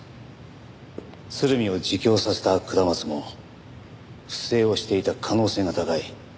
鶴見を自供させた下松も不正をしていた可能性が高い。